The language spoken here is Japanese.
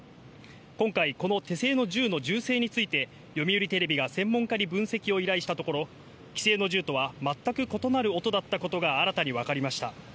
今回この手製の銃の銃声について、読売テレビが専門家に分析を依頼したところ、既成の中とは全く異なる音だったことが新たに分かりました。